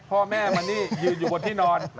พ่อแม่มานี่ยืนอยู่บนที่นอน